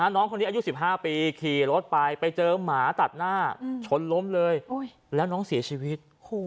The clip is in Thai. น้องคนนี้อายุ๑๕ปีขี่รถไปไปเจอหมาตัดหน้าชนล้มเลยแล้วน้องเสียชีวิต